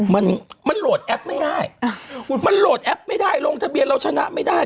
มันมันโหลดแอปไม่ได้มันโหลดแอปไม่ได้ลงทะเบียนเราชนะไม่ได้